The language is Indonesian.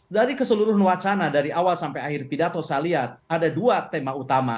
dari keseluruhan wacana dari awal sampai akhir pidato saya lihat ada dua tema utama